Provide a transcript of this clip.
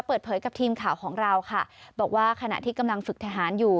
เปิดเผยกับทีมข่าวของเราค่ะบอกว่าขณะที่กำลังฝึกทหารอยู่